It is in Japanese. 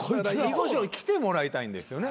囲碁将に来てもらいたいんですよね。